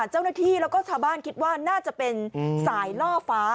เจ้าหน้าที่แล้วก็ชาวบ้านคิดว่าน่าจะเป็นสายล่อฟ้า